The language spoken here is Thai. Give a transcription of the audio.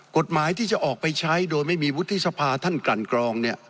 กฎหมายที่จะออกไปใช้โดยไม่มีวุฒิสภาท่านกลั่นกรองเนี่ย